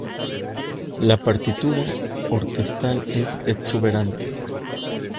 La partitura orquestal es exuberante.